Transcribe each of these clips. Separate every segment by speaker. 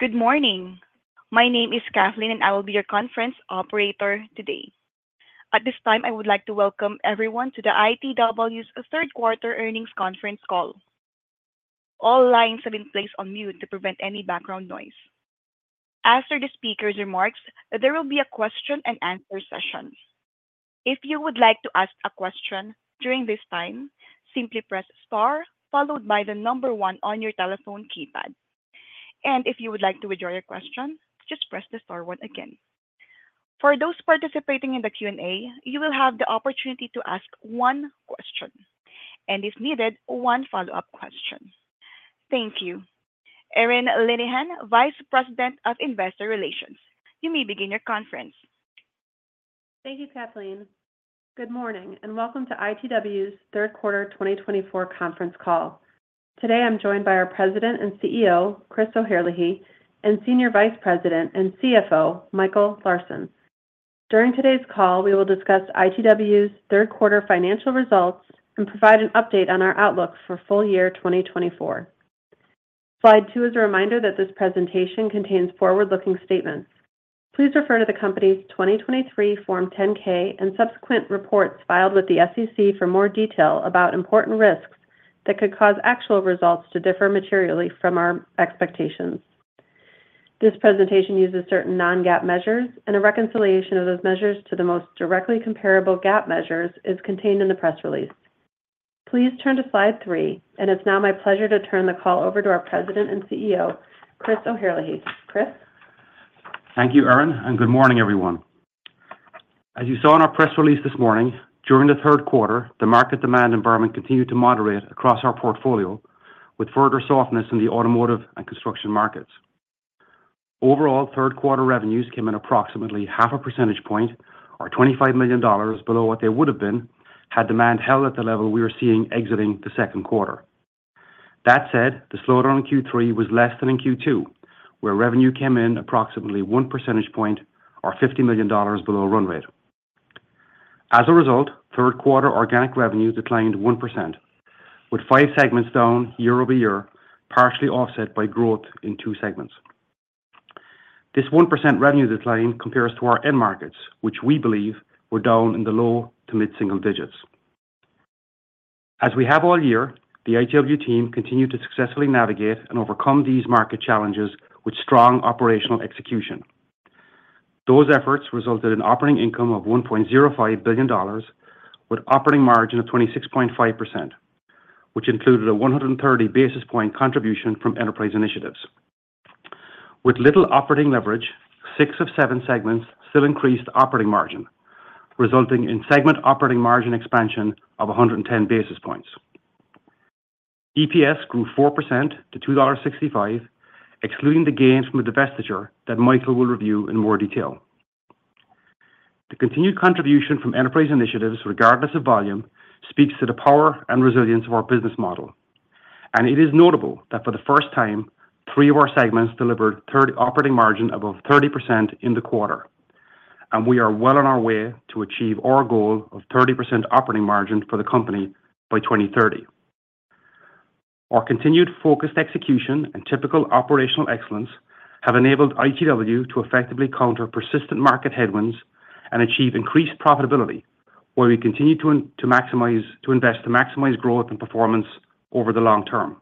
Speaker 1: Good morning. My name is Kathleen, and I will be your conference operator today. At this time, I would like to welcome everyone to the ITW's third quarter earnings conference call. All lines have been placed on mute to prevent any background noise. After the speaker's remarks, there will be a question-and-answer session. If you would like to ask a question during this time, simply press star, followed by the number one on your telephone keypad. And if you would like to withdraw your question, just press the star one again. For those participating in the Q&A, you will have the opportunity to ask one question, and if needed, one follow-up question. Thank you. Erin Linnihan, Vice President of Investor Relations, you may begin your conference.
Speaker 2: Thank you, Kathleen. Good morning, and welcome to ITW's Third Quarter 2024 conference call. Today, I'm joined by our President and CEO, Chris O'Herlihy, and Senior Vice President and CFO, Michael Larsen. During today's call, we will discuss ITW's third quarter financial results and provide an update on our outlook for full year 2024. Slide two is a reminder that this presentation contains forward-looking statements. Please refer to the company's 2023 Form 10-K and subsequent reports filed with the SEC for more detail about important risks that could cause actual results to differ materially from our expectations. This presentation uses certain non-GAAP measures, and a reconciliation of those measures to the most directly comparable GAAP measures is contained in the press release. Please turn to slide three, and it's now my pleasure to turn the call over to our President and CEO, Chris O'Herlihy. Chris.
Speaker 3: Thank you, Erin, and good morning, everyone. As you saw in our press release this morning, during the third quarter, the market demand environment continued to moderate across our portfolio, with further softness in the automotive and construction markets. Overall, third quarter revenues came in approximately half a percentage point, or $25 million below what they would have been, had demand held at the level we were seeing exiting the second quarter. That said, the slowdown in Q3 was less than in Q2, where revenue came in approximately one percentage point, or $50 million below run rate. As a result, third quarter organic revenue declined 1%, with five segments down year over year, partially offset by growth in two segments. This 1% revenue decline compares to our end markets, which we believe were down in the low to mid-single digits. As we have all year, the ITW team continued to successfully navigate and overcome these market challenges with strong operational execution. Those efforts resulted in operating income of $1.05 billion, with operating margin of 26.5%, which included a 130 basis points contribution from enterprise initiatives. With little operating leverage, six of seven segments still increased operating margin, resulting in segment operating margin expansion of 110 basis points. EPS grew 4% to $2.65, excluding the gains from the divestiture that Michael will review in more detail. The continued contribution from enterprise initiatives, regardless of volume, speaks to the power and resilience of our business model. And it is notable that for the first time, three of our segments delivered their operating margin above 30% in the quarter, and we are well on our way to achieve our goal of 30% operating margin for the company by 2030. Our continued focused execution and typical operational excellence have enabled ITW to effectively counter persistent market headwinds and achieve increased profitability, where we continue to invest to maximize growth and performance over the long term.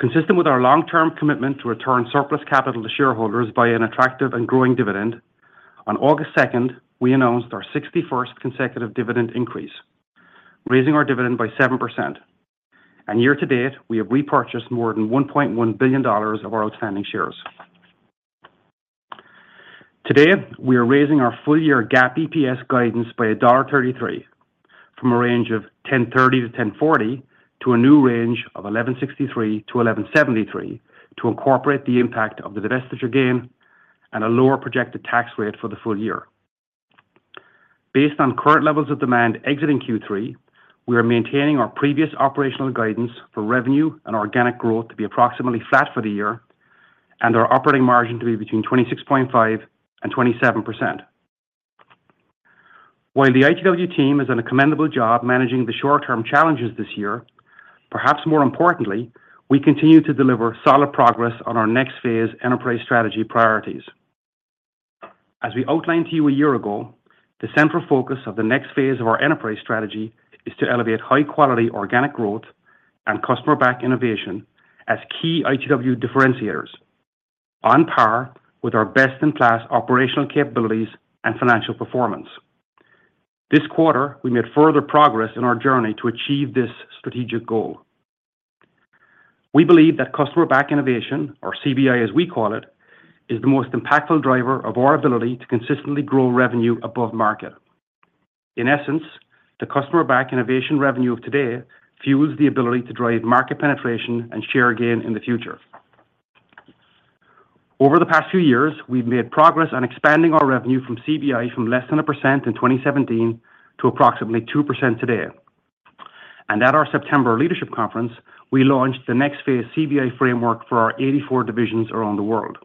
Speaker 3: Consistent with our long-term commitment to return surplus capital to shareholders by an attractive and growing dividend, on August 2nd, we announced our 61st consecutive dividend increase, raising our dividend by 7%, and year-to-date, we have repurchased more than $1.1 billion of our outstanding shares. Today, we are raising our full year GAAP EPS guidance by $1.33 from a range of $10.30-$10.40 to a new range of $11.63-$11.73 to incorporate the impact of the divestiture gain and a lower projected tax rate for the full year. Based on current levels of demand exiting Q3, we are maintaining our previous operational guidance for revenue and organic growth to be approximately flat for the year, and our operating margin to be between 26.5% and 27%. While the ITW team is doing a commendable job managing the short-term challenges this year, perhaps more importantly, we continue to deliver solid progress on our next phase enterprise strategy priorities. As we outlined to you a year ago, the central focus of the next phase of our enterprise strategy is to elevate high-quality organic growth and Customer-Backed Innovation as key ITW differentiators, on par with our best-in-class operational capabilities and financial performance. This quarter, we made further progress in our journey to achieve this strategic goal. We believe that Customer-Backed Innovation, or CBI as we call it, is the most impactful driver of our ability to consistently grow revenue above market. In essence, the Customer-Backed Innovation revenue of today fuels the ability to drive market penetration and share gain in the future. Over the past few years, we've made progress on expanding our revenue from CBI from less than 1% in 2017 to approximately 2% today. And at our September leadership conference, we launched the next phase CBI framework for our 84 divisions around the world.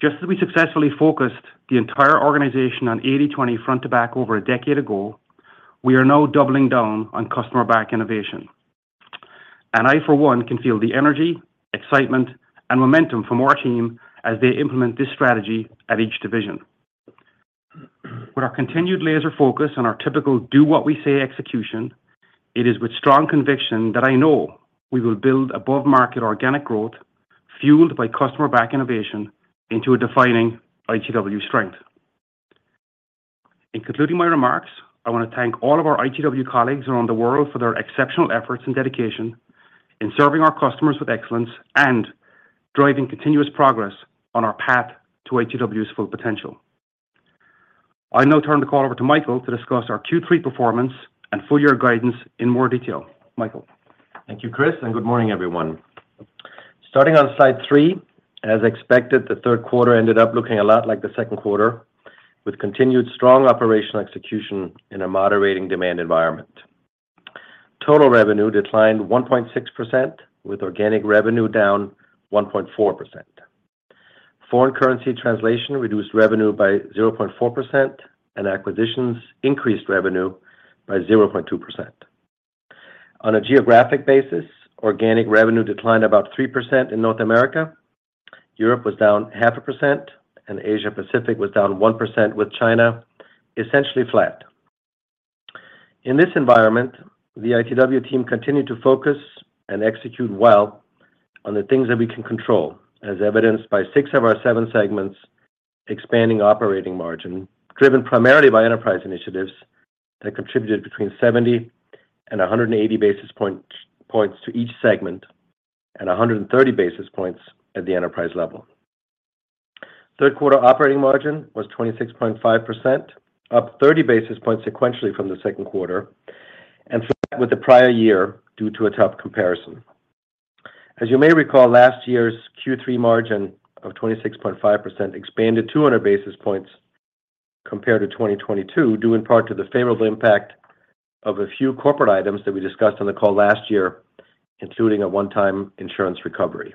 Speaker 3: Just as we successfully focused the entire organization on 80/20 Front to Back over a decade ago, we are now doubling down on Customer-Backed Innovation. And I, for one, can feel the energy, excitement, and momentum from our team as they implement this strategy at each division. With our continued laser focus on our typical do-what-we-say execution, it is with strong conviction that I know we will build above-market organic growth fueled by Customer-Backed Innovation into a defining ITW strength. In concluding my remarks, I want to thank all of our ITW colleagues around the world for their exceptional efforts and dedication in serving our customers with excellence and driving continuous progress on our path to ITW's full potential. I now turn the call over to Michael to discuss our Q3 performance and full year guidance in more detail. Michael.
Speaker 4: Thank you, Chris, and good morning, everyone. Starting on slide three, as expected, the third quarter ended up looking a lot like the second quarter, with continued strong operational execution in a moderating demand environment. Total revenue declined 1.6%, with organic revenue down 1.4%. Foreign currency translation reduced revenue by 0.4%, and acquisitions increased revenue by 0.2%. On a geographic basis, organic revenue declined about 3% in North America. Europe was down 0.5%, and Asia-Pacific was down 1%, with China essentially flat. In this environment, the ITW team continued to focus and execute well on the things that we can control, as evidenced by six of our seven segments expanding operating margin, driven primarily by enterprise initiatives that contributed between 70 and 180 basis points to each segment and 130 basis points at the enterprise level. Third quarter operating margin was 26.5%, up 30 basis points sequentially from the second quarter, and flat with the prior year due to a tough comparison. As you may recall, last year's Q3 margin of 26.5% expanded 200 basis points compared to 2022, due in part to the favorable impact of a few corporate items that we discussed on the call last year, including a one-time insurance recovery.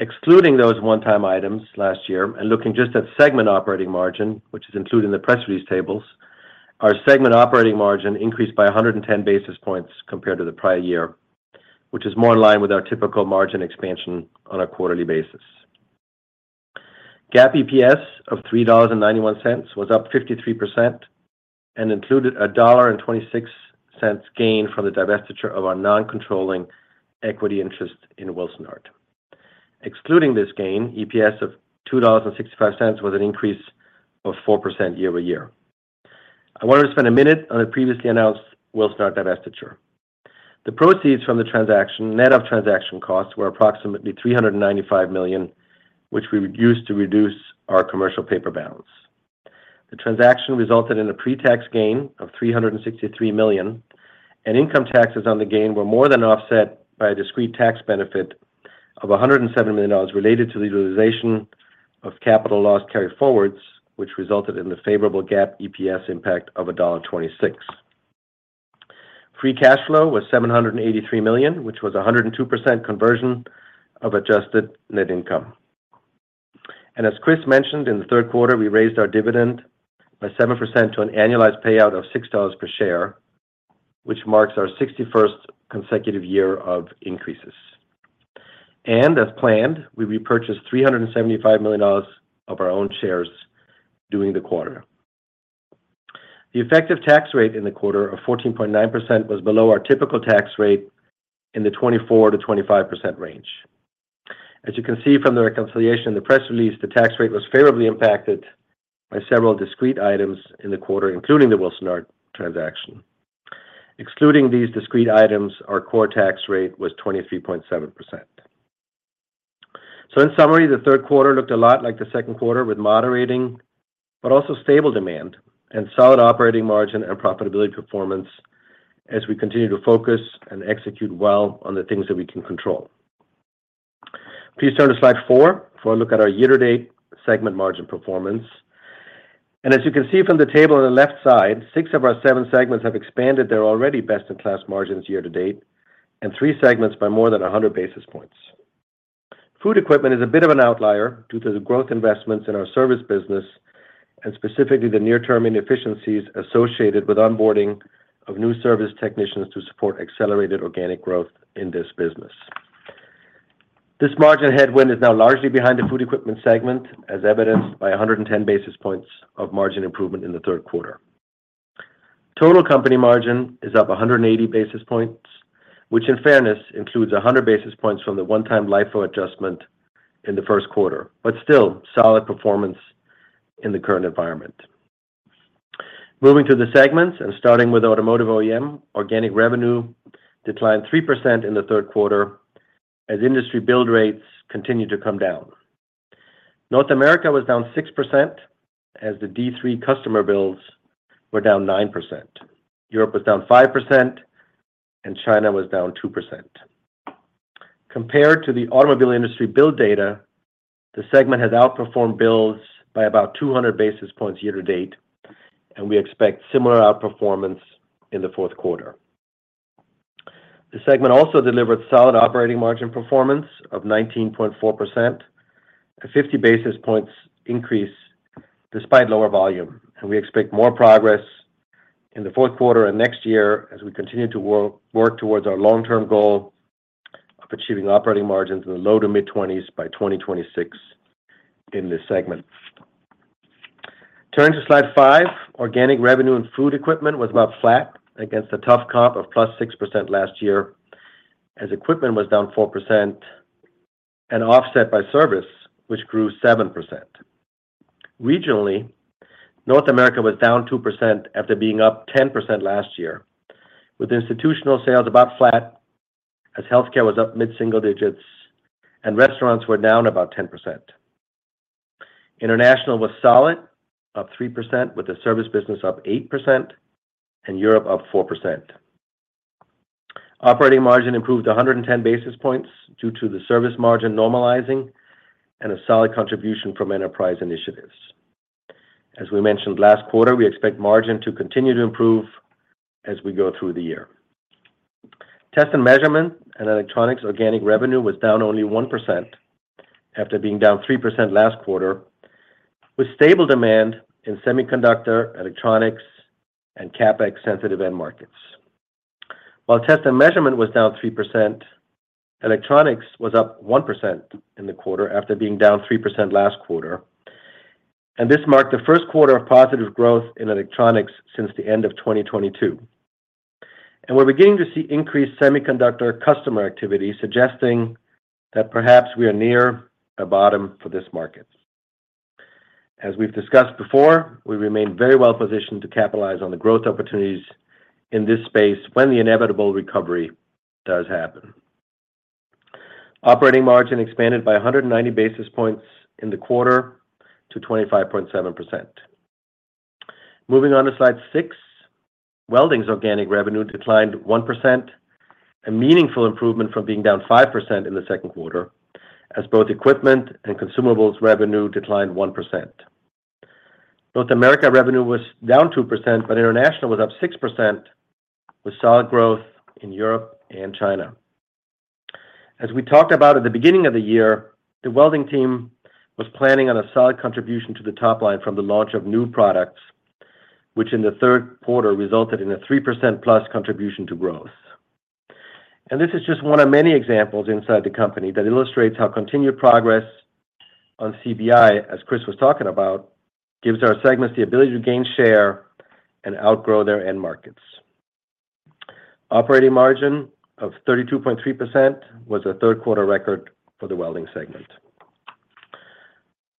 Speaker 4: Excluding those one-time items last year and looking just at segment operating margin, which is included in the press release tables, our segment operating margin increased by 110 basis points compared to the prior year, which is more in line with our typical margin expansion on a quarterly basis. GAAP EPS of $3.91 was up 53% and included a $1.26 gain from the divestiture of our non-controlling equity interest in Wilsonart. Excluding this gain, EPS of $2.65 was an increase of 4% year over year. I wanted to spend a minute on the previously announced Wilsonart divestiture. The proceeds from the transaction, net of transaction costs, were approximately $395 million, which we used to reduce our commercial paper balance. The transaction resulted in a pre-tax gain of $363 million, and income taxes on the gain were more than offset by a discrete tax benefit of $107 million related to the utilization of capital loss carryforwards, which resulted in the favorable GAAP EPS impact of $1.26. Free cash flow was $783 million, which was 102% conversion of adjusted net income. And as Chris mentioned, in the third quarter, we raised our dividend by 7% to an annualized payout of $6 per share, which marks our 61st consecutive year of increases. As planned, we repurchased $375 million of our own shares during the quarter. The effective tax rate in the quarter of 14.9% was below our typical tax rate in the 24%-25% range. As you can see from the reconciliation in the press release, the tax rate was favorably impacted by several discrete items in the quarter, including the Wilsonart transaction. Excluding these discrete items, our core tax rate was 23.7%. In summary, the third quarter looked a lot like the second quarter, with moderating but also stable demand and solid operating margin and profitability performance as we continue to focus and execute well on the things that we can control. Please turn to slide four for a look at our year-to-date segment margin performance. And as you can see from the table on the left side, six of our seven segments have expanded their already best-in-class margins year-to-date and three segments by more than 100 basis points. Food Equipment is a bit of an outlier due to the growth investments in our service business and specifically the near-term inefficiencies associated with onboarding of new service technicians to support accelerated organic growth in this business. This margin headwind is now largely behind the Food Equipment segment, as evidenced by 110 basis points of margin improvement in the third quarter. Total company margin is up 180 basis points, which in fairness includes 100 basis points from the one-time LIFO adjustment in the first quarter, but still solid performance in the current environment. Moving to the segments and starting with Automotive OEM, organic revenue declined 3% in the third quarter as industry build rates continued to come down. North America was down 6% as the D3 customer builds were down 9%. Europe was down 5%, and China was down 2%. Compared to the automobile industry build data, the segment has outperformed builds by about 200 basis points year-to-date, and we expect similar outperformance in the fourth quarter. The segment also delivered solid operating margin performance of 19.4%, a 50 basis points increase despite lower volume. And we expect more progress in the fourth quarter and next year as we continue to work towards our long-term goal of achieving operating margins in the low to mid-20s by 2026 in this segment. Turning to slide five, organic revenue in Food Equipment was about flat against a tough comp of plus 6% last year as equipment was down 4% and offset by service, which grew 7%. Regionally, North America was down 2% after being up 10% last year, with institutional sales about flat as healthcare was up mid-single digits and restaurants were down about 10%. International was solid, up 3%, with the service business up 8% and Europe up 4%. Operating margin improved 110 basis points due to the service margin normalizing and a solid contribution from Enterprise initiatives. As we mentioned last quarter, we expect margin to continue to improve as we go through the year. Test & Measurement and Electronics organic revenue was down only 1% after being down 3% last quarter, with stable demand in semiconductor, Electronics, and CAPEX-sensitive end markets. While Test & Measurement was down 3%, Electronics was up 1% in the quarter after being down 3% last quarter, and this marked the first quarter of positive growth in Electronics since the end of 2022. And we're beginning to see increased semiconductor customer activity suggesting that perhaps we are near a bottom for this market. As we've discussed before, we remain very well positioned to capitalize on the growth opportunities in this space when the inevitable recovery does happen. Operating margin expanded by 190 basis points in the quarter to 25.7%. Moving on to slide six, Welding's organic revenue declined 1%, a meaningful improvement from being down 5% in the second quarter as both equipment and consumables revenue declined 1%. North America revenue was down 2%, but international was up 6% with solid growth in Europe and China. As we talked about at the beginning of the year, the Welding team was planning on a solid contribution to the top line from the launch of new products, which in the third quarter resulted in a 3% plus contribution to growth. And this is just one of many examples inside the company that illustrates how continued progress on CBI, as Chris was talking about, gives our segments the ability to gain share and outgrow their end markets. Operating margin of 32.3% was a third quarter record for the welding segment.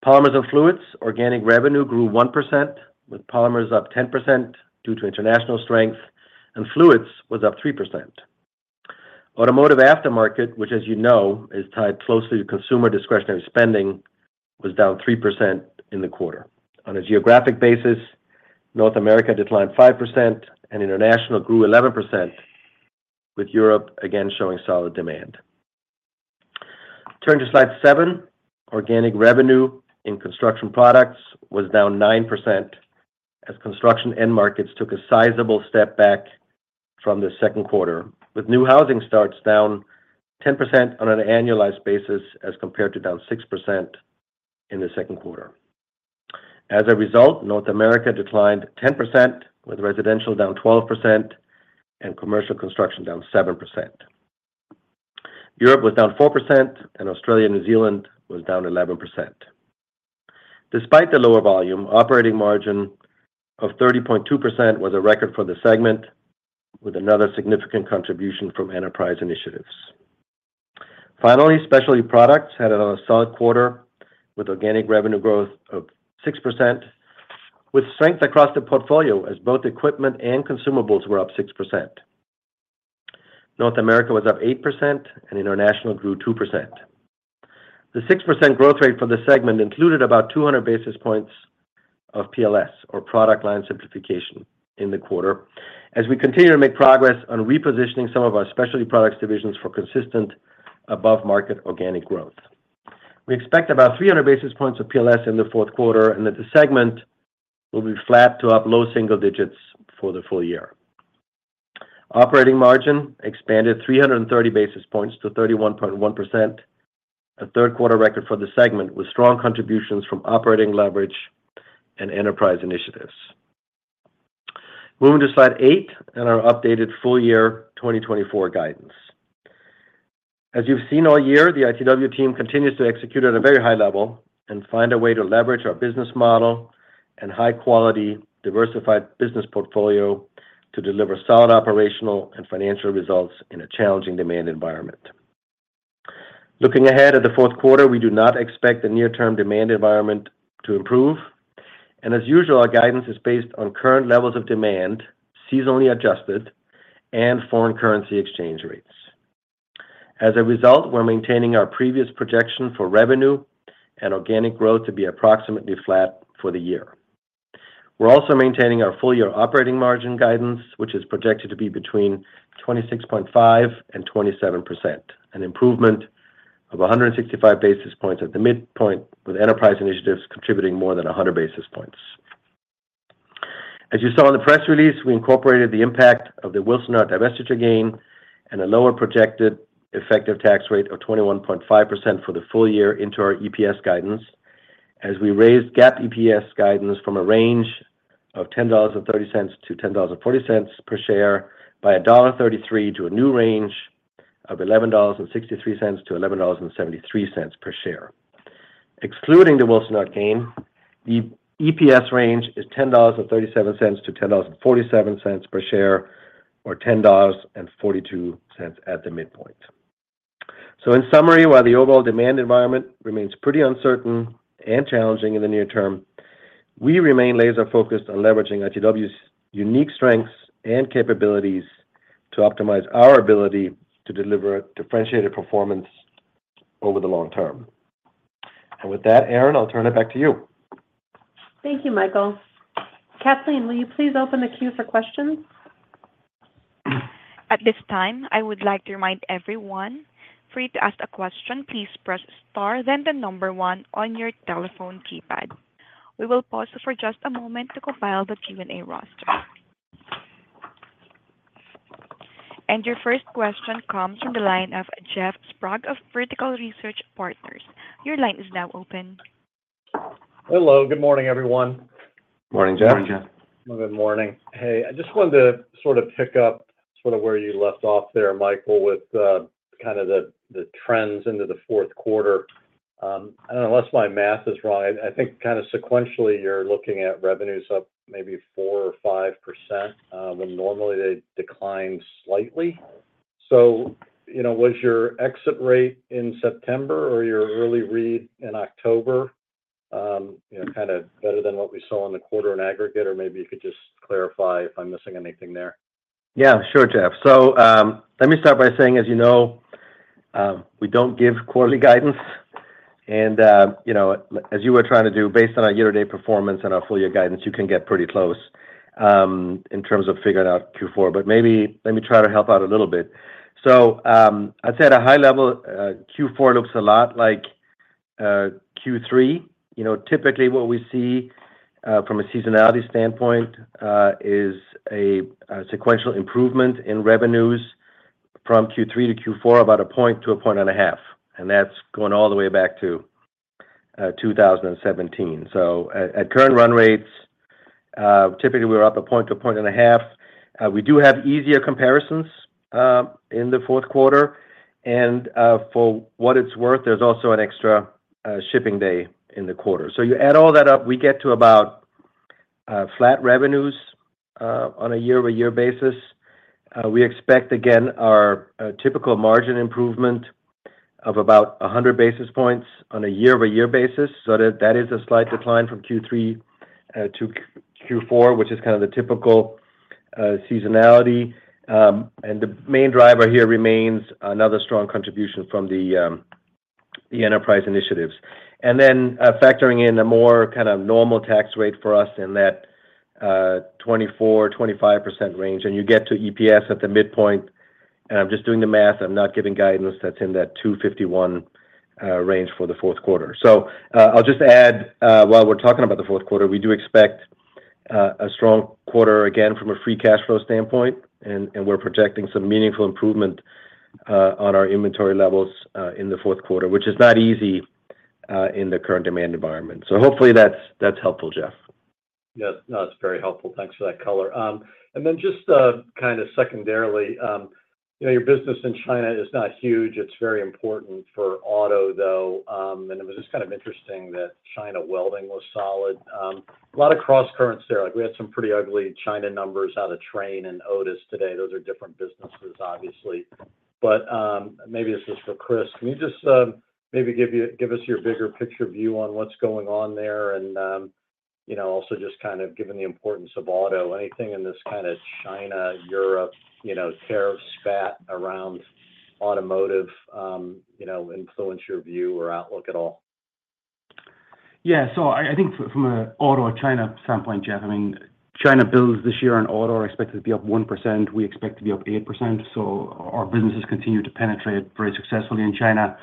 Speaker 4: Polymers & Fluids, organic revenue grew 1%, with Polymers up 10% due to international strength, and Fluids was up 3%. Automotive Aftermarket, which as you know is tied closely to consumer discretionary spending, was down 3% in the quarter. On a geographic basis, North America declined 5% and international grew 11%, with Europe again showing solid demand. Turn to slide seven, organic revenue in Construction Products was down 9% as construction end markets took a sizable step back from the second quarter, with new housing starts down 10% on an annualized basis as compared to down 6% in the second quarter. As a result, North America declined 10%, with residential down 12% and commercial construction down 7%. Europe was down 4%, and Australia and New Zealand was down 11%. Despite the lower volume, operating margin of 30.2% was a record for the segment, with another significant contribution from enterprise initiatives. Finally, Specialty Products had a solid quarter with organic revenue growth of 6%, with strength across the portfolio as both equipment and consumables were up 6%. North America was up 8%, and international grew 2%. The 6% growth rate for the segment included about 200 basis points of PLS, or Product Line Simplification, in the quarter as we continue to make progress on repositioning some of our Specialty Products divisions for consistent above-market organic growth. We expect about 300 basis points of PLS in the fourth quarter and that the segment will be flat to up low single digits for the full year. Operating margin expanded 330 basis points to 31.1%, a third quarter record for the segment with strong contributions from operating leverage and enterprise initiatives. Moving to slide eight and our updated full year 2024 guidance. As you've seen all year, the ITW team continues to execute at a very high level and find a way to leverage our business model and high-quality diversified business portfolio to deliver solid operational and financial results in a challenging demand environment. Looking ahead at the fourth quarter, we do not expect the near-term demand environment to improve, and as usual, our guidance is based on current levels of demand, seasonally adjusted, and foreign currency exchange rates. As a result, we're maintaining our previous projection for revenue and organic growth to be approximately flat for the year. We're also maintaining our full year operating margin guidance, which is projected to be between 26.5% and 27%, an improvement of 165 basis points at the midpoint, with enterprise initiatives contributing more than 100 basis points. As you saw in the press release, we incorporated the impact of the Wilsonart divestiture gain and a lower projected effective tax rate of 21.5% for the full year into our EPS guidance as we raised GAAP EPS guidance from a range of $10.30-$10.40 per share by $1.33 to a new range of $11.63-$11.73 per share. Excluding the Wilsonart gain, the EPS range is $10.37-$10.47 per share, or $10.42 at the midpoint. So in summary, while the overall demand environment remains pretty uncertain and challenging in the near term, we remain laser-focused on leveraging ITW's unique strengths and capabilities to optimize our ability to deliver differentiated performance over the long term. And with that, Erin, I'll turn it back to you.
Speaker 2: Thank you, Michael. Kathleen, will you please open the queue for questions?
Speaker 1: At this time, I would like to remind everyone, free to ask a question, please press star, then the number one on your telephone keypad. We will pause for just a moment to compile the Q&A roster. And your first question comes from the line of Jeff Sprague of Vertical Research Partners. Your line is now open.
Speaker 5: Hello. Good morning, everyone.
Speaker 3: Good morning, Jeff.
Speaker 4: Good morning, Jeff.
Speaker 5: Good morning. Hey, I just wanted to sort of pick up sort of where you left off there, Michael, with kind of the trends into the fourth quarter. And unless my math is wrong, I think kind of sequentially you're looking at revenues up maybe 4% or 5% when normally they decline slightly. So was your exit rate in September or your early read in October kind of better than what we saw in the quarter in aggregate? Or maybe you could just clarify if I'm missing anything there.
Speaker 4: Yeah, sure, Jeff. So let me start by saying, as you know, we don't give quarterly guidance. And as you were trying to do, based on our year-to-date performance and our full year guidance, you can get pretty close in terms of figuring out Q4. But maybe let me try to help out a little bit. So I'd say at a high level, Q4 looks a lot like Q3. Typically, what we see from a seasonality standpoint is a sequential improvement in revenues from Q3 to Q4 about a point to a point and a half. And that's going all the way back to 2017. So at current run rates, typically we're up a point to a point and a half. We do have easier comparisons in the fourth quarter. For what it's worth, there's also an extra shipping day in the quarter. So you add all that up, we get to about flat revenues on a year-over-year basis. We expect, again, our typical margin improvement of about 100 basis points on a year-over-year basis. So that is a slight decline from Q3 to Q4, which is kind of the typical seasonality. The main driver here remains another strong contribution from the enterprise initiatives. Then factoring in a more kind of normal tax rate for us in that 24%-25% range, and you get to EPS at the midpoint. I'm just doing the math. I'm not giving guidance. That's in that $2.51 range for the fourth quarter. I'll just add, while we're talking about the fourth quarter, we do expect a strong quarter again from a free cash flow standpoint. We're projecting some meaningful improvement on our inventory levels in the fourth quarter, which is not easy in the current demand environment. So hopefully that's helpful, Jeff.
Speaker 5: Yeah, no, that's very helpful. Thanks for that color. Then just kind of secondarily, your business in China is not huge. It's very important for auto, though. It was just kind of interesting that China welding was solid. A lot of cross currents there. We had some pretty ugly China numbers out of Trane and Otis today. Those are different businesses, obviously. But maybe this is for Chris. Can you just maybe give us your bigger picture view on what's going on there? Also just kind of given the importance of auto, anything in this kind of China, Europe tariff spat around automotive influence your view or outlook at all?
Speaker 3: Yeah, so I think from an auto or China standpoint, Jeff, I mean, China builds this year in auto are expected to be up 1%. We expect to be up 8%. So our businesses continue to penetrate very successfully in China.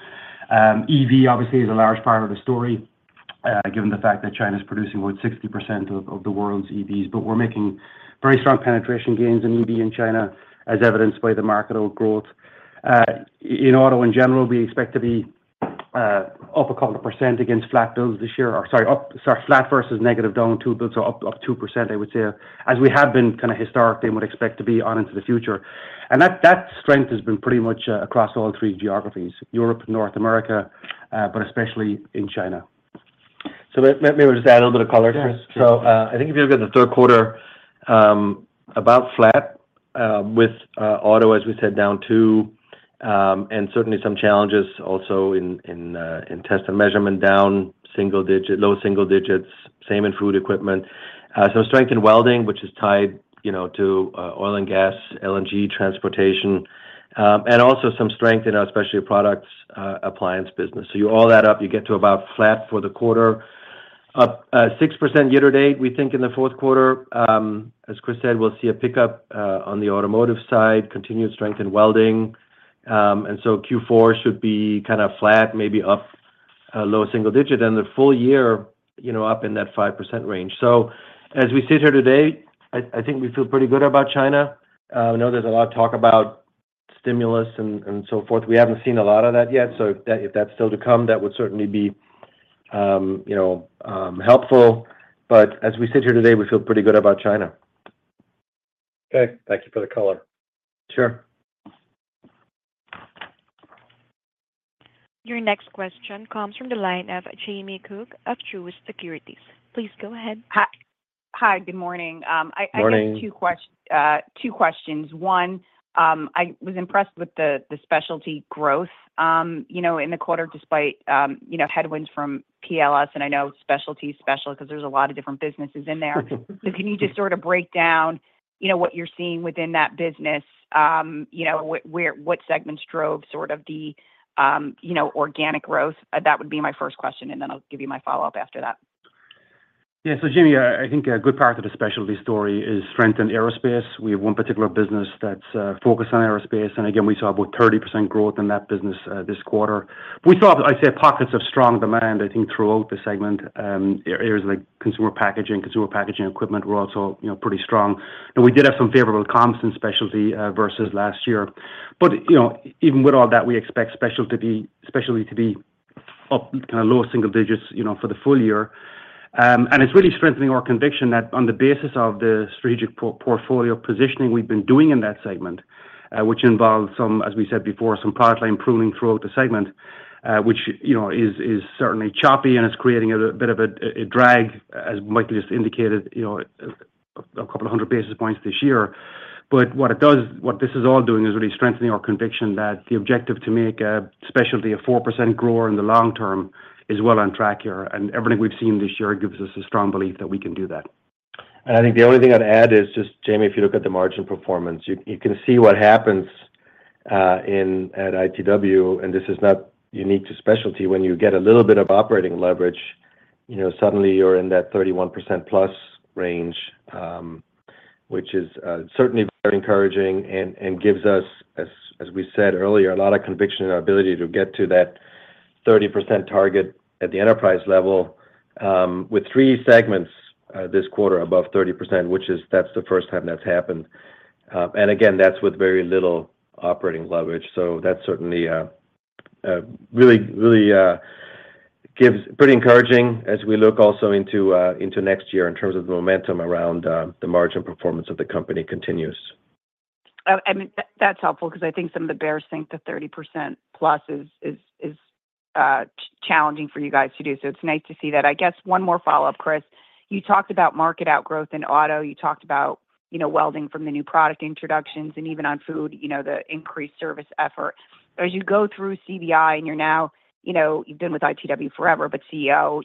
Speaker 3: EV, obviously, is a large part of the story, given the fact that China is producing about 60% of the world's EVs. But we're making very strong penetration gains in EV in China, as evidenced by the market overgrowth. In auto in general, we expect to be up a couple of % against flat builds this year. Sorry, flat versus negative down two builds, so up 2%, I would say, as we have been kind of historically and would expect to be on into the future. And that strength has been pretty much across all three geographies, Europe, North America, but especially in China.
Speaker 4: So maybe we'll just add a little bit of color, Chris. So I think if you look at the third quarter, about flat with auto, as we said, down two, and certainly some challenges also in Test & Measurement, down single digit, low single digits, same in Food Equipment. Some strength in welding, which is tied to oil and gas, LNG, transportation, and also some strength in our specialty products appliance business. So you all add up, you get to about flat for the quarter, up 6% year-to-date, we think in the fourth quarter. As Chris said, we'll see a pickup on the automotive side, continued strength in welding. And so Q4 should be kind of flat, maybe up a low single digit, and the full year up in that 5% range. So as we sit here today, I think we feel pretty good about China. I know there's a lot of talk about stimulus and so forth. We haven't seen a lot of that yet. So if that's still to come, that would certainly be helpful. But as we sit here today, we feel pretty good about China.
Speaker 5: Okay. Thank you for the color.
Speaker 3: Sure.
Speaker 1: Your next question comes from the line of Jamie Cook of Truist Securities. Please go ahead.
Speaker 6: Hi, good morning. I have two questions. One, I was impressed with the specialty growth in the quarter despite headwinds from PLS. And I know specialty, especially because there's a lot of different businesses in there. So can you just sort of break down what you're seeing within that business? What segments drove sort of the organic growth? That would be my first question. And then I'll give you my follow-up after that.
Speaker 3: YeahJamie, I think a good part of the specialty story is strength in aerospace. We have one particular business that's focused on aerospace. And again, we saw about 30% growth in that business this quarter. We saw, I'd say, pockets of strong demand, I think, throughout the segment. Areas like Consumer Packaging, Consumer Packaging equipment were also pretty strong. And we did have some favorable comps in specialty versus last year. But even with all that, we expect specialty to be up kind of low single digits for the full year. And it's really strengthening our conviction that on the basis of the strategic portfolio positioning we've been doing in that segment, which involved some, as we said before, some product line pruning throughout the segment, which is certainly choppy and is creating a bit of a drag, as Michael just indicated, a couple of hundred basis points this year. But what this is all doing is really strengthening our conviction that the objective to make specialty a 4% grower in the long term is well on track here. And everything we've seen this year gives us a strong belief that we can do that. And I think the only thing I'd add is just, Jamie, if you look at the margin performance, you can see what happens at ITW. And this is not unique to specialty. When you get a little bit of operating leverage, suddenly you're in that 31% plus range, which is certainly very encouraging and gives us, as we said earlier, a lot of conviction in our ability to get to that 30% target at the enterprise level with three segments this quarter above 30%, which is. That's the first time that's happened. And again, that's with very little operating leverage. So that certainly really gives pretty encouraging as we look also into next year in terms of the momentum around the margin performance of the company continues.
Speaker 6: I mean, that's helpful because I think some of the bears think the 30% plus is challenging for you guys to do. So it's nice to see that. I guess one more follow-up, Chris. You talked about market outgrowth in auto. You talked about welding from the new product introductions. And even on food, the increased service effort. As you go through CBI and you know, you've been with ITW forever, but CEO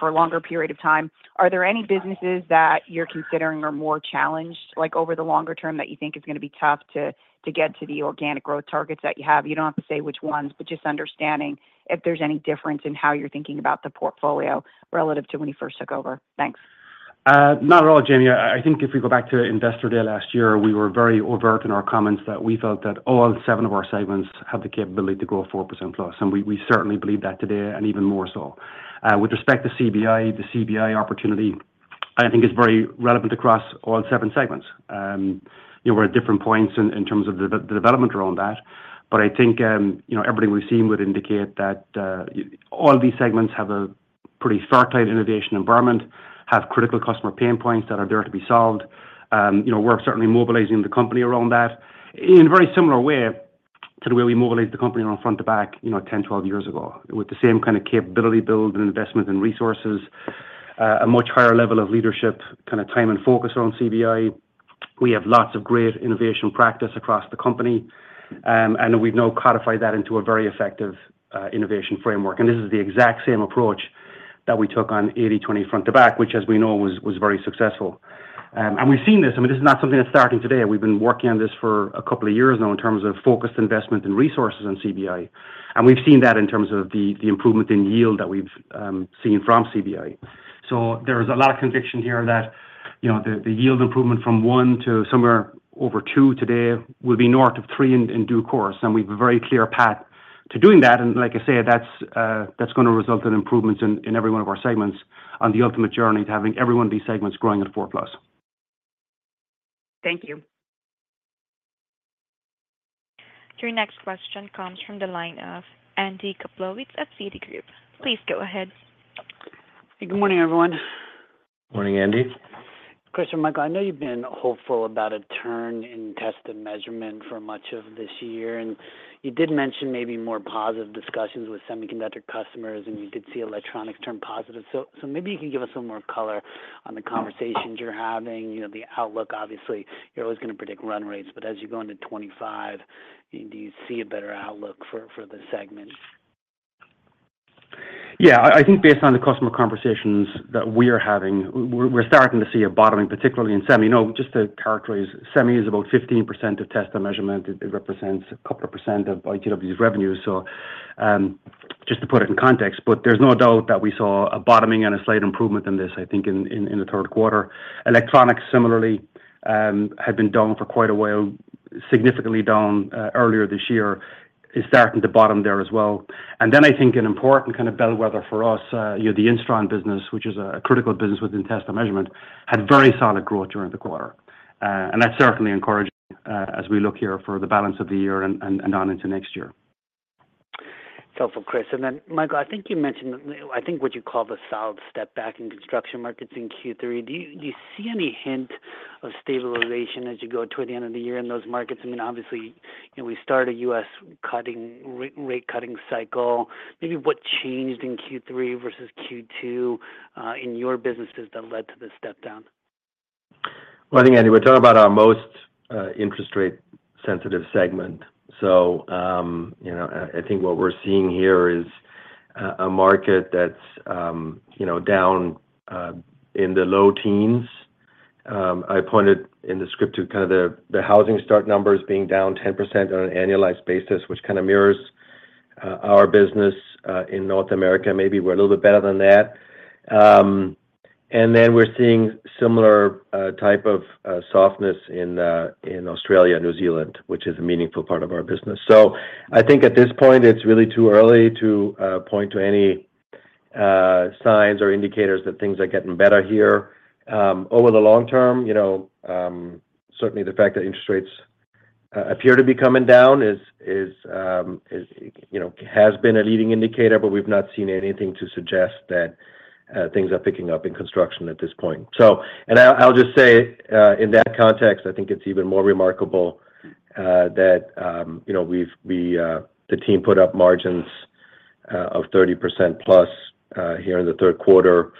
Speaker 6: for a longer period of time, are there any businesses that you're considering are more challenged over the longer term that you think is going to be tough to get to the organic growth targets that you have? You don't have to say which ones, but just understanding if there's any difference in how you're thinking about the portfolio relative to when you first took over. Thanks.
Speaker 3: Not at all, Jamie. I think if we go back to investor day last year, we were very overt in our comments that we felt that all seven of our segments have the capability to grow 4% plus. We certainly believe that today and even more so. With respect to CBI, the CBI opportunity, I think it's very relevant across all seven segments. We're at different points in terms of the development around that. But I think everything we've seen would indicate that all these segments have a pretty fertile innovation environment, have critical customer pain points that are there to be solved. We're certainly mobilizing the company around that in a very similar way to the way we mobilized the company around Front to Back 10, 12 years ago with the same kind of capability build and investment and resources, a much higher level of leadership kind of time and focus around CBI. We have lots of great innovation practice across the company. And we've now codified that into a very effective innovation framework. And this is the exact same approach that we took on 80/20 Front to Back, which, as we know, was very successful. And we've seen this. I mean, this is not something that's starting today. We've been working on this for a couple of years now in terms of focused investment and resources in CBI. And we've seen that in terms of the improvement in yield that we've seen from CBI. So, there's a lot of conviction here that the yield improvement from one to somewhere over two today will be north of three in due course. And we have a very clear path to doing that. And like I say, that's going to result in improvements in every one of our segments on the ultimate journey to having every one of these segments growing at four plus.
Speaker 6: Thank you.
Speaker 1: Your next question comes from the line of Andy Kaplowitz at Citigroup. Please go ahead.
Speaker 7: Good morning, everyone.
Speaker 4: Morning, Andy.
Speaker 7: Christopher O'Herlihy, I know you've been hopeful about a turn in Test & Measurement for much of this year, and you did mention maybe more positive discussions with semiconductor customers, and you did see electronics turn positive, so maybe you can give us some more color on the conversations you're having, the outlook, obviously, you're always going to predict run rates, but as you go into 2025, do you see a better outlook for the segment?
Speaker 3: Yeah, I think based on the customer conversations that we are having, we're starting to see a bottoming, particularly in semi. Just to characterize, semi is about 15% of Test & Measurement. It represents a couple of percent of ITW's revenue. So just to put it in context, but there's no doubt that we saw a bottoming and a slight improvement in this, I think, in the third quarter. Electronics, similarly, had been down for quite a while, significantly down earlier this year, is starting to bottom there as well. And then I think an important kind of bellwether for us, the Instron business, which is a critical business within Test & Measurement, had very solid growth during the quarter. And that's certainly encouraging as we look here for the balance of the year and on into next year.
Speaker 7: It's helpful, Chris. And then, Michael, I think you mentioned, I think what you call the solid step back in construction markets in Q3. Do you see any hint of stabilization as you go toward the end of the year in those markets? I mean, obviously, we start a U.S. rate-cutting cycle. Maybe what changed in Q3 versus Q2 in your businesses that led to the step down?
Speaker 4: Well, I think, Andy, we're talking about our most interest rate-sensitive segment. So I think what we're seeing here is a market that's down in the low teens. I pointed in the script to kind of the housing start numbers being down 10% on an annualized basis, which kind of mirrors our business in North America. Maybe we're a little bit better than that. And then we're seeing similar type of softness in Australia and New Zealand, which is a meaningful part of our business. So, I think at this point, it's really too early to point to any signs or indicators that things are getting better here. Over the long term, certainly the fact that interest rates appear to be coming down has been a leading indicator, but we've not seen anything to suggest that things are picking up in construction at this point. And I'll just say in that context, I think it's even more remarkable that the team put up margins of 30% plus here in the third quarter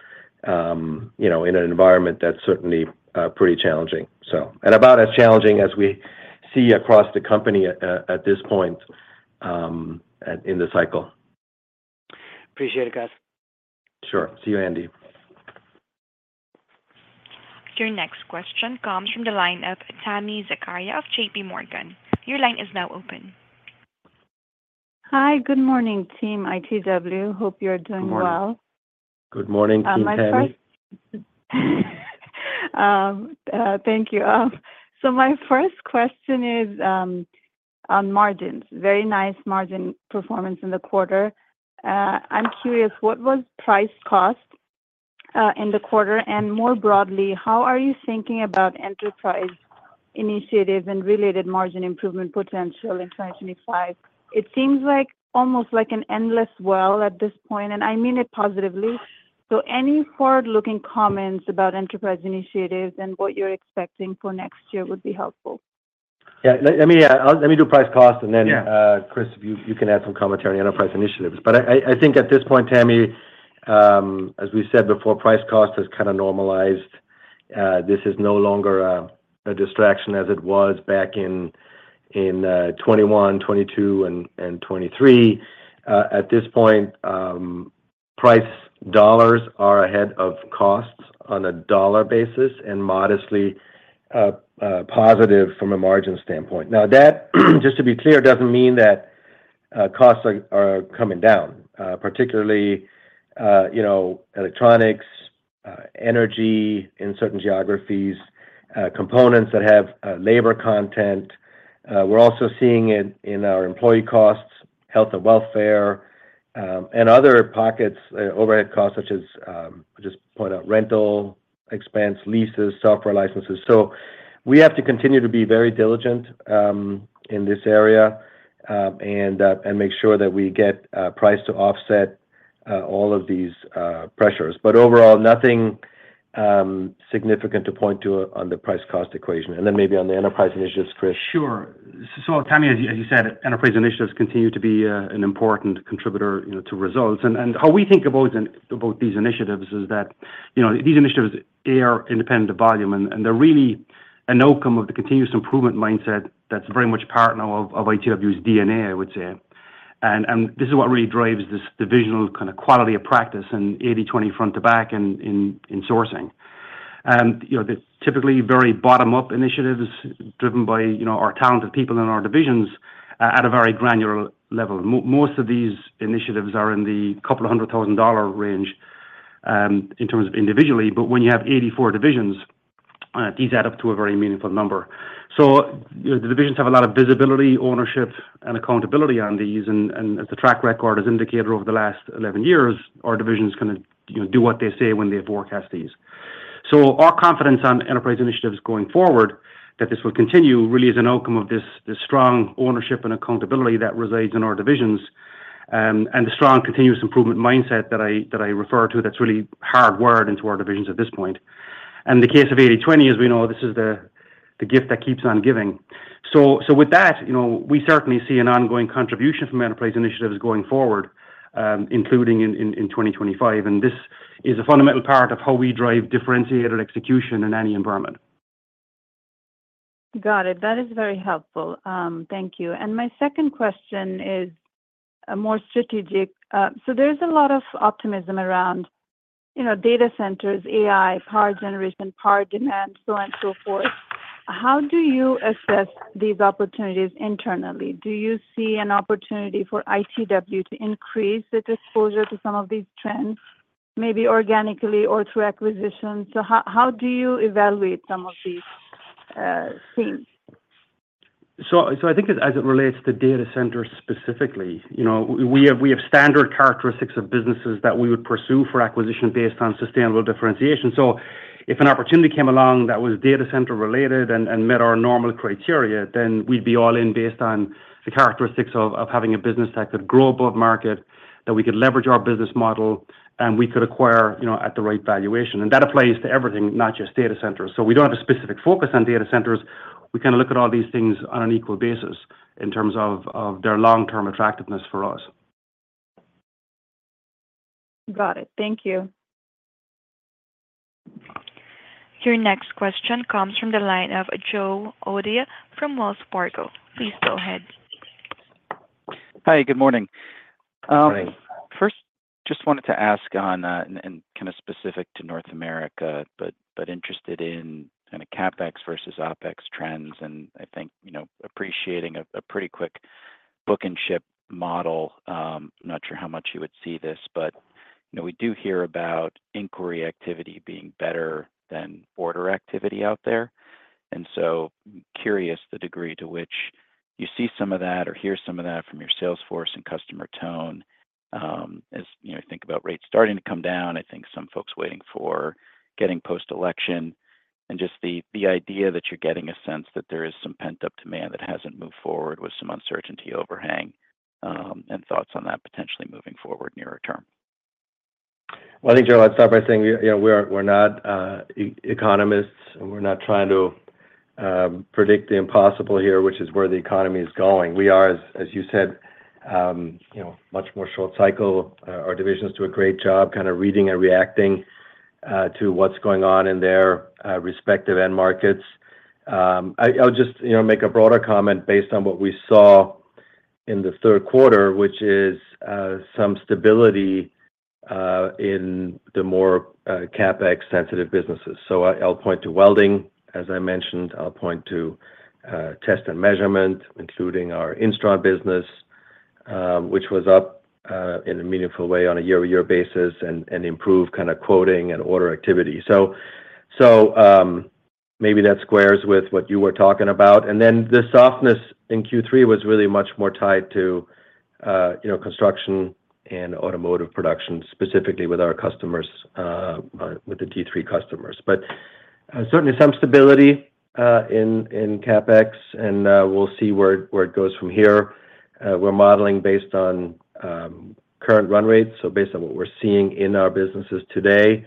Speaker 4: in an environment that's certainly pretty challenging. And about as challenging as we see across the company at this point in the cycle.
Speaker 7: Appreciate it, guys.
Speaker 4: Sure. See you, Andy.
Speaker 1: Your next question comes from the line of Tami Zakaria of JPMorgan. Your line is now open.
Speaker 8: Hi, good morning, team ITW. Hope you're doing well.
Speaker 3: Good morning, Tami.
Speaker 8: Thank you. So, my first question is on margins. Very nice margin performance in the quarter. I'm curious, what was price cost in the quarter? And more broadly, how are you thinking about enterprise initiatives and related margin improvement potential in 2025? It seems almost like an endless well at this point, and I mean it positively. So, any forward-looking comments about enterprise initiatives and what you're expecting for next year would be helpful.
Speaker 4: Yeah. Let me do price cost, and then, Chris, if you can add some commentary on enterprise initiatives. But I think at this point, Tami, as we said before, price cost has kind of normalized. This is no longer a distraction as it was back in 2021, 2022, and 2023. At this point, price dollars are ahead of costs on a dollar basis and modestly positive from a margin standpoint. Now, that, just to be clear, doesn't mean that costs are coming down, particularly electronics, energy in certain geographies, components that have labor content. We're also seeing it in our employee costs, health and welfare, and other pockets, overhead costs, such as, I'll just point out, rental expense, leases, software licenses. So we have to continue to be very diligent in this area and make sure that we get price to offset all of these pressures. But overall, nothing significant to point to on the price cost equation. And then maybe on the enterprise initiatives, Chris.
Speaker 3: Sure. So Tami, as you said, enterprise initiatives continue to be an important contributor to results. And how we think about these initiatives is that these initiatives are independent of volume, and they're really an outcome of the continuous improvement mindset that's very much part now of ITW's DNA, I would say. And this is what really drives this divisional kind of quality of practice in 80/20 Front to Back in sourcing. And they're typically very bottom-up initiatives driven by our talented people in our divisions at a very granular level. Most of these initiatives are in the couple of hundred thousand dollars range in terms of individually. But when you have 84 divisions, these add up to a very meaningful number. So the divisions have a lot of visibility, ownership, and accountability on these. And as the track record has indicated over the last 11 years, our divisions can do what they say when they forecast these. So our confidence on enterprise initiatives going forward, that this will continue, really is an outcome of this strong ownership and accountability that resides in our divisions and the strong continuous improvement mindset that I refer to that's really hardwired into our divisions at this point. And in the case of 80/20, as we know, this is the gift that keeps on giving. So with that, we certainly see an ongoing contribution from enterprise initiatives going forward, including in 2025. And this is a fundamental part of how we drive differentiated execution in any environment.
Speaker 8: Got it. That is very helpful. Thank you. And my second question is more strategic. So there's a lot of optimism around data centers, AI, power generation, power demand, so on and so forth. How do you assess these opportunities internally? Do you see an opportunity for ITW to increase the disclosure to some of these trends, maybe organically or through acquisitions? So how do you evaluate some of these things?
Speaker 3: So I think as it relates to data centers specifically, we have standard characteristics of businesses that we would pursue for acquisition based on sustainable differentiation. So, if an opportunity came along that was data center related and met our normal criteria, then we'd be all in based on the characteristics of having a business that could grow above market, that we could leverage our business model, and we could acquire at the right valuation. And that applies to everything, not just data centers. So, we don't have a specific focus on data centers. We kind of look at all these things on an equal basis in terms of their long-term attractiveness for us.
Speaker 8: Got it. Thank you.
Speaker 1: Your next question comes from the line of Joe O'Dea from Wells Fargo. Please go ahead.
Speaker 9: Hi, good morning.
Speaker 3: Good morning.
Speaker 9: First, just wanted to ask on, and kind of specific to North America, but interested in kind of CapEx versus OPEX trends. And I think appreciating a pretty quick book and ship model. Not sure how much you would see this, but we do hear about inquiry activity being better than order activity out there. And so curious the degree to which you see some of that or hear some of that from your salesforce and customer tone as you think about rates starting to come down. I think some folks waiting for getting post-election. And just the idea that you're getting a sense that there is some pent-up demand that hasn't moved forward with some uncertainty overhang and thoughts on that potentially moving forward nearer term.
Speaker 4: I think, Joe, I'd start by saying we're not economists, and we're not trying to predict the impossible here, which is where the economy is going. We are, as you said, much more short cycle. Our divisions do a great job kind of reading and reacting to what's going on in their respective end markets. I'll just make a broader comment based on what we saw in the third quarter, which is some stability in the more CapEx-sensitive businesses. I'll point to welding, as I mentioned. I'll point to Test & Measurement, including our Instron business, which was up in a meaningful way on a year-to-year basis and improved kind of quoting and order activity. Maybe that squares with what you were talking about. Then the softness in Q3 was really much more tied to construction and automotive production, specifically with our customers, with the D3 customers. Certainly some stability in CapEx, and we'll see where it goes from here. We're modeling based on current run rates, so based on what we're seeing in our businesses today.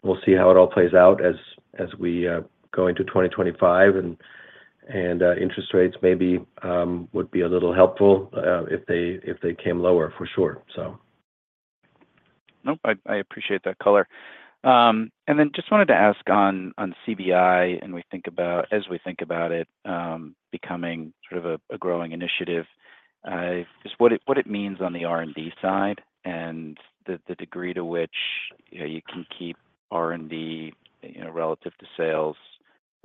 Speaker 4: We'll see how it all plays out as we go into 2025. Interest rates maybe would be a little helpful if they came lower, for sure, so.
Speaker 9: Nope, I appreciate that color. Then just wanted to ask on CBI, and as we think about it becoming sort of a growing initiative, just what it means on the R&D side and the degree to which you can keep R&D relative to sales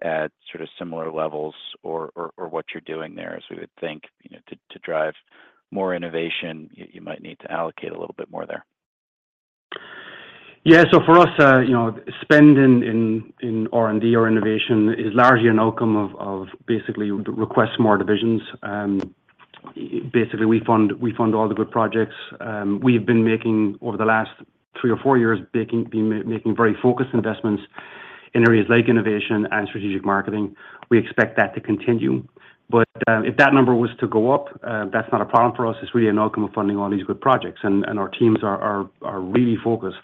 Speaker 9: at sort of similar levels or what you're doing there as we would think to drive more innovation, you might need to allocate a little bit more there.
Speaker 3: Yeah. So for us, spending in R&D or innovation is largely an outcome of basically requests from our divisions. Basically, we fund all the good projects. We've been making, over the last three or four years, very focused investments in areas like innovation and strategic marketing. We expect that to continue. But if that number was to go up, that's not a problem for us. It's really an outcome of funding all these good projects. And our teams are really focused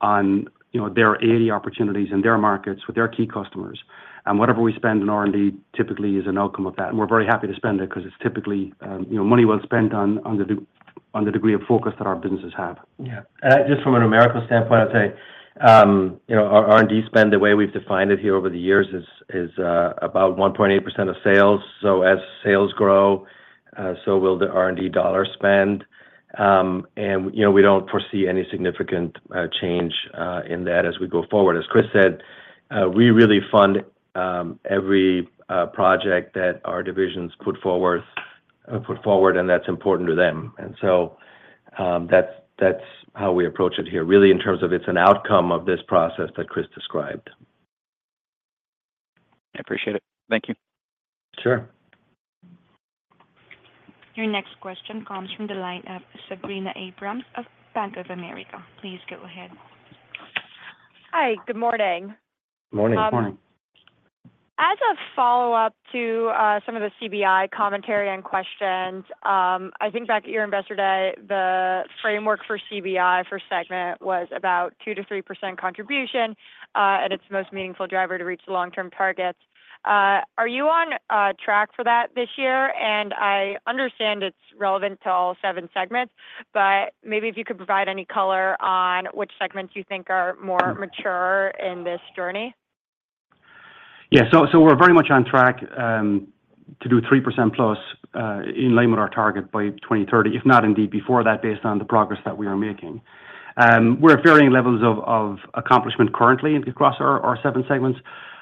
Speaker 3: on their 80 opportunities and their markets with their key customers. And whatever we spend in R&D typically is an outcome of that. And we're very happy to spend it because it's typically money well spent on the degree of focus that our businesses have.
Speaker 9: Yeah.
Speaker 4: And just from an American standpoint, I'd say our R&D spend, the way we've defined it here over the years, is about 1.8% of sales. So as sales grow, so will the R&D dollar spend. And we don't foresee any significant change in that as we go forward. As Chris said, we really fund every project that our divisions put forward, and that's important to them. And so that's how we approach it here, really in terms of it's an outcome of this process that Chris described.
Speaker 9: I appreciate it. Thank you.
Speaker 4: Sure.
Speaker 1: Your next question comes from the line of Sabrina Abrams of Bank of America. Please go ahead.
Speaker 10: Hi. Good morning.
Speaker 3: Good morning.
Speaker 4: Good morning.
Speaker 10: As a follow-up to some of the CBI commentary and questions, I think back at your investor day, the framework for CBI for segment was about 2%-3% contribution at its most meaningful driver to reach the long-term targets. Are you on track for that this year? And I understand it's relevant to all seven segments, but maybe if you could provide any color on which segments you think are more mature in this journey.
Speaker 3: Yeah. So, we're very much on track to do 3% plus in line with our target by 2030, if not indeed before that, based on the progress that we are making. We're at varying levels of accomplishment currently across our seven segments.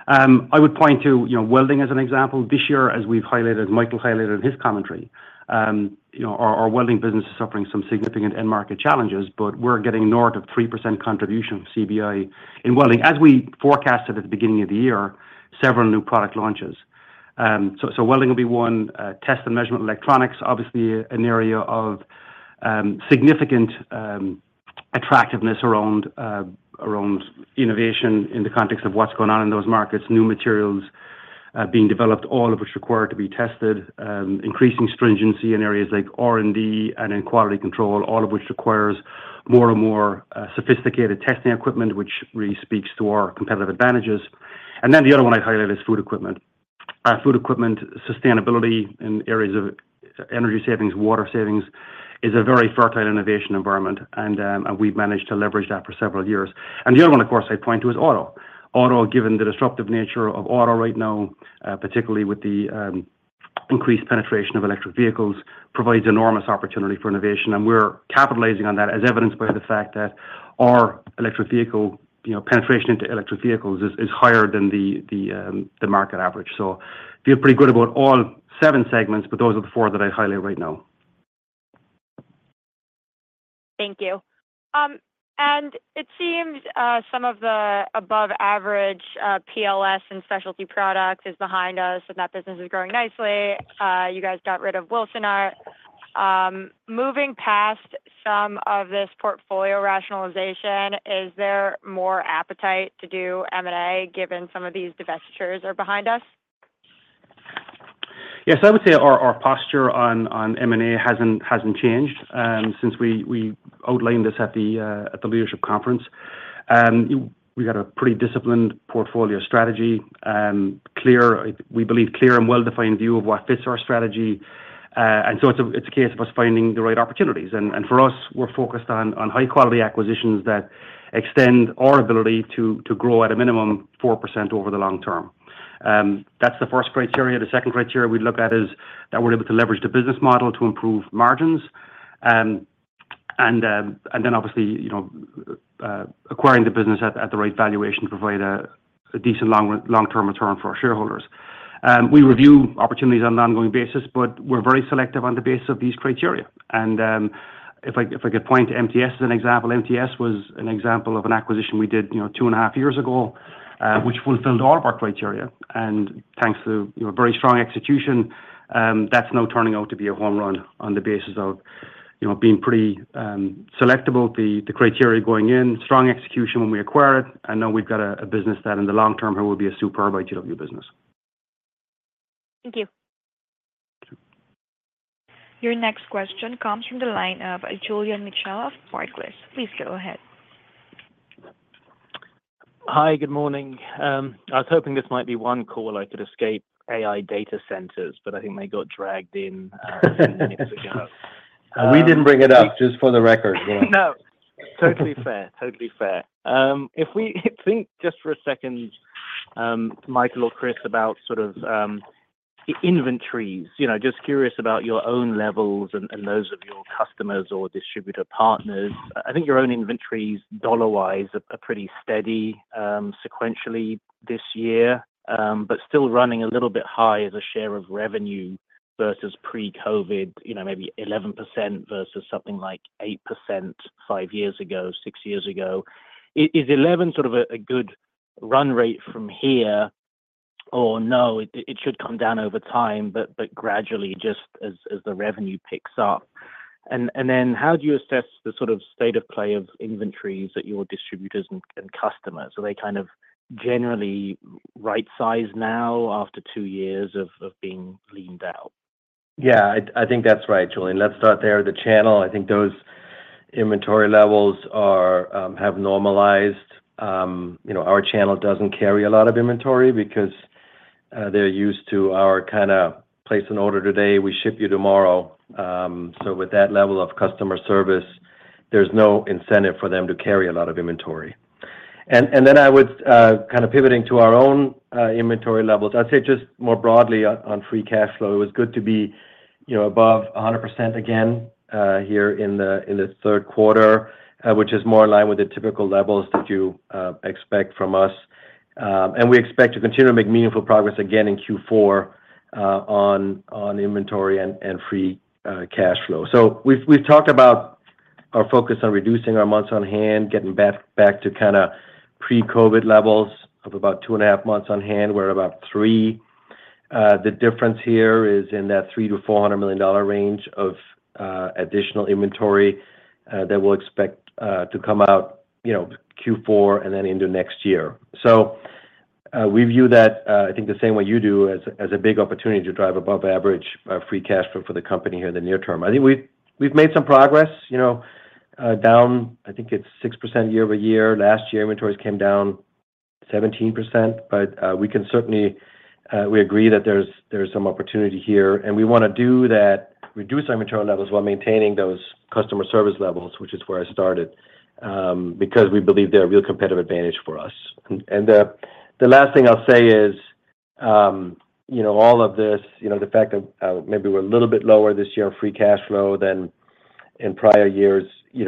Speaker 3: I would point to welding as an example. This year, as Michael highlighted in his commentary, our welding business is suffering some significant end market challenges, but we're getting north of 3% contribution of CBI in welding, as we forecasted at the beginning of the year, several new product launches. So, welding will be one. Test & Measurement Electronics, obviously an area of significant attractiveness around innovation in the context of what's going on in those markets, new materials being developed, all of which require to be tested, increasing stringency in areas like R&D and in quality control, all of which requires more and more sophisticated testing equipment, which really speaks to our competitive advantages, and then the other one I'd highlight is Food Equipment. Food Equipment sustainability in areas of energy savings, water savings is a very fertile innovation environment, and we've managed to leverage that for several years, and the other one, of course, I'd point to is auto. Auto, given the disruptive nature of auto right now, particularly with the increased penetration of electric vehicles, provides enormous opportunity for innovation. And we're capitalizing on that, as evidenced by the fact that our electric vehicle penetration into electric vehicles is higher than the market average. So we feel pretty good about all seven segments, but those are the four that I'd highlight right now.
Speaker 10: Thank you. And it seems some of the above-average PLS and specialty products is behind us, and that business is growing nicely. You guys got rid of Wilsonart. Moving past some of this portfolio rationalization, is there more appetite to do M&A given some of these divestitures are behind us?
Speaker 3: Yes. I would say our posture on M&A hasn't changed since we outlined this at the leadership conference. We've got a pretty disciplined portfolio strategy, clear, we believe, clear and well-defined view of what fits our strategy. And so it's a case of us finding the right opportunities. And for us, we're focused on high-quality acquisitions that extend our ability to grow at a minimum 4% over the long term. That's the first criteria. The second criteria we'd look at is that we're able to leverage the business model to improve margins. And then, obviously, acquiring the business at the right valuation to provide a decent long-term return for our shareholders. We review opportunities on an ongoing basis, but we're very selective on the basis of these criteria. And if I could point to MTS as an example, MTS was an example of an acquisition we did two and a half years ago, which fulfilled all of our criteria. And thanks to very strong execution, that's now turning out to be a home run on the basis of being pretty selectable, the criteria going in, strong execution when we acquire it. And now we've got a business that in the long term here will be a superb ITW business.
Speaker 10: Thank you.
Speaker 1: Your next question comes from the line of Julian Mitchell of Barclays. Please go ahead.
Speaker 11: Hi, good morning. I was hoping this might be one call I could escape AI data centers, but I think they got dragged in a few minutes ago.
Speaker 4: We didn't bring it up, just for the record.
Speaker 11: No. Totally fair. Totally fair. If we think just for a second, Michael or Chris, about sort of inventories, just curious about your own levels and those of your customers or distributor partners. I think your own inventories, dollar-wise, are pretty steady sequentially this year, but still running a little bit high as a share of revenue versus pre-COVID, maybe 11% versus something like 8% five years ago, six years ago. Is 11 sort of a good run rate from here? Or no, it should come down over time, but gradually just as the revenue picks up. And then how do you assess the sort of state of play of inventories at your distributors and customers? Are they kind of generally right-sized now after two years of being leaned out?
Speaker 4: Yeah. I think that's right, Julian. Let's start there. The channel, I think those inventory levels have normalized. Our channel doesn't carry a lot of inventory because they're used to our kind of place an order today, we ship you tomorrow. So with that level of customer service, there's no incentive for them to carry a lot of inventory. I would kind of pivot to our own inventory levels. I'd say just more broadly on free cash flow, it was good to be above 100% again here in the third quarter, which is more in line with the typical levels that you expect from us. We expect to continue to make meaningful progress again in Q4 on inventory and free cash flow. We've talked about our focus on reducing our months on hand, getting back to kind of pre-COVID levels of about two and a half months on hand. We're at about three. The difference here is in that $300-$400 million range of additional inventory that we'll expect to come out Q4 and then into next year. So we view that, I think, the same way you do, as a big opportunity to drive above-average free cash flow for the company here in the near term. I think we've made some progress down. I think it's 6% year over year. Last year, inventories came down 17%. But we can certainly agree that there's some opportunity here. And we want to reduce our inventory levels while maintaining those customer service levels, which is where I started, because we believe they're a real competitive advantage for us. And the last thing I'll say is all of this, the fact that maybe we're a little bit lower this year in free cash flow than in prior years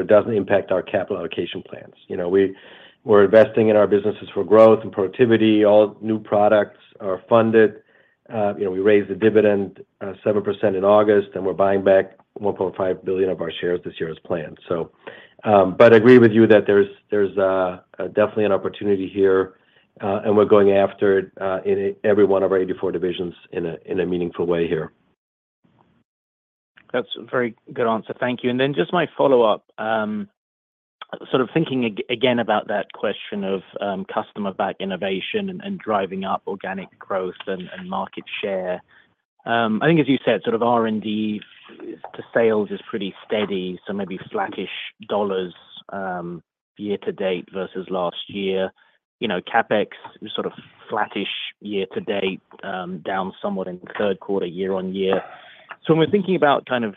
Speaker 4: doesn't impact our capital allocation plans. We're investing in our businesses for growth and productivity. All new products are funded. We raised the dividend 7% in August, and we're buying back $1.5 billion of our shares this year as planned. But I agree with you that there's definitely an opportunity here, and we're going after it in every one of our 84 divisions in a meaningful way here.
Speaker 11: That's a very good answer. Thank you. And then just my follow-up, sort of thinking again about that question of Customer-Backed Innovation and driving up organic growth and market share. I think, as you said, sort of R&D to sales is pretty steady, so maybe flattish dollars year-to-date versus last year. CapEx is sort of flattish year-to-date, down somewhat in the third quarter year on year. So, when we're thinking about kind of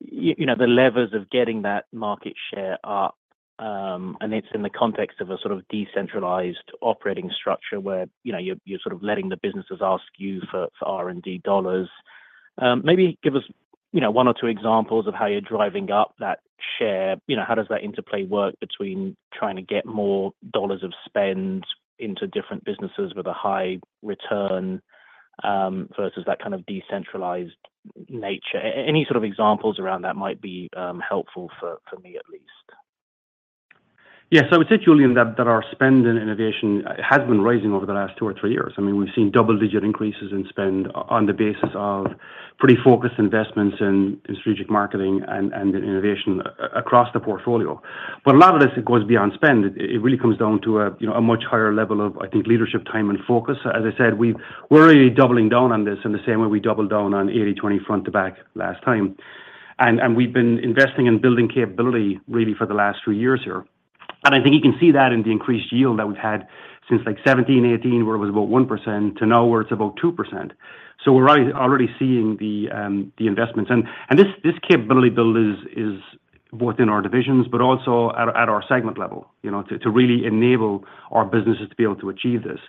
Speaker 11: the levers of getting that market share up, and it's in the context of a sort of decentralized operating structure where you're sort of letting the businesses ask you for R&D dollars, maybe give us one or two examples of how you're driving up that share. How does that interplay work between trying to get more dollars of spend into different businesses with a high return versus that kind of decentralized nature? Any sort of examples around that might be helpful for me at least.
Speaker 3: Yeah. So, I would say, Julian, that our spend in innovation has been rising over the last two or three years. I mean, we've seen double-digit increases in spend on the basis of pretty focused investments in strategic marketing and innovation across the portfolio. But a lot of this, it goes beyond spend. It really comes down to a much higher level of, I think, leadership time and focus. As I said, we're really doubling down on this in the same way we doubled down on 80/20 Front to Back last time. And we've been investing in building capability really for the last three years here. And I think you can see that in the increased yield that we've had since like 2017, 2018, where it was about 1% to now where it's about 2%. So we're already seeing the investments. And this capability build is both in our divisions, but also at our segment level, to really enable our businesses to be able to achieve this.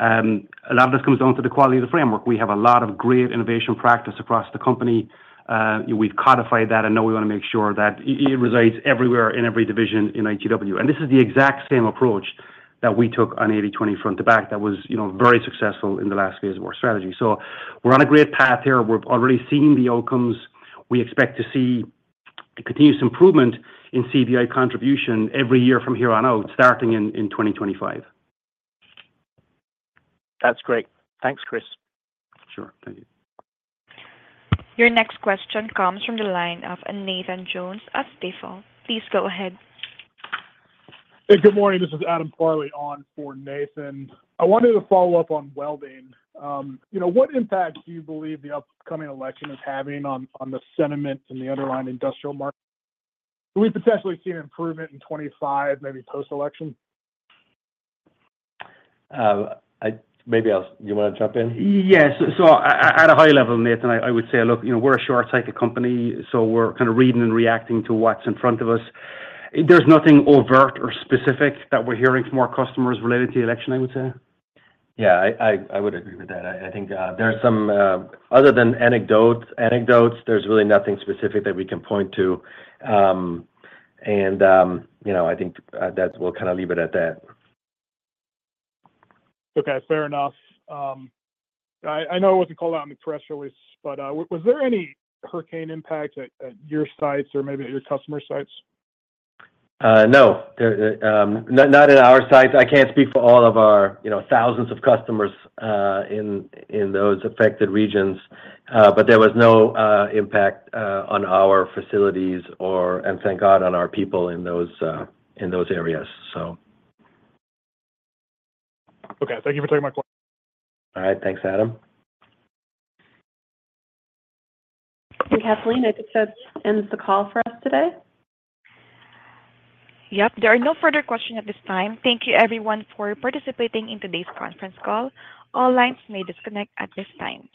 Speaker 3: A lot of this comes down to the quality of the framework. We have a lot of great innovation practice across the company. We've codified that, and now we want to make sure that it resides everywhere in every division in ITW. And this is the exact same approach that we took on 80/20 Front to Back that was very successful in the last phase of our strategy. So, we're on a great path here. We're already seeing the outcomes. We expect to see continuous improvement in CBI contribution every year from here on out, starting in 2025.
Speaker 11: That's great. Thanks, Chris.
Speaker 3: Sure. Thank you.
Speaker 1: Your next question comes from the line of Nathan Jones of Stifel. Please go ahead.
Speaker 12: Hey, good morning. This is Adam Farley on for Nathan. I wanted to follow up on welding. What impact do you believe the upcoming election is having on the sentiment in the underlying industrial market? Do we potentially see an improvement in '25, maybe post-election?
Speaker 3: Maybe you want to jump in? Yes.
Speaker 4: So, at a high level, Nathan, I would say, look, we're a short-cycle company, so we're kind of reading and reacting to what's in front of us. There's nothing overt or specific that we're hearing from our customers related to the election,
Speaker 3: I would say. Yeah. I would agree with that. I think there's some, other than anecdotes, there's really nothing specific that we can point to. And I think that we'll kind of leave it at that.
Speaker 12: Okay. Fair enough. I know it wasn't called out in the press release, but was there any hurricane impact at your sites or maybe at your customer's sites?
Speaker 3: No. Not at our sites. I can't speak for all of our thousands of customers in those affected regions, but there was no impact on our facilities or, and thank God, on our people in those areas, so.
Speaker 13: Okay. Thank you for taking my call.
Speaker 3: All right. Thanks, Adam.
Speaker 2: And Kathleen, I think that ends the call for us today.
Speaker 1: Yep. There are no further questions at this time. Thank you, everyone, for participating in today's conference call. All lines may disconnect at this time.